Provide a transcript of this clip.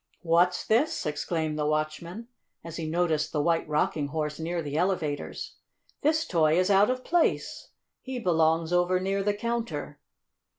"What's this?" exclaimed the watchman, as he noticed the White Rocking Horse near the elevators. "This toy is out of place! He belongs over near the counter.